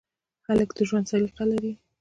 هلک د ژوند سلیقه لري.